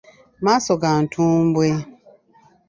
Maaso ga ntumbwe.